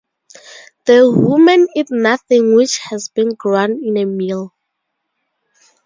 The women eat nothing which has been ground in a mill.